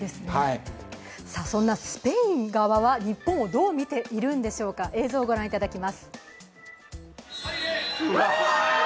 そんなスペイン側は日本をどう見ているんでしょうか、映像をご覧いただきます。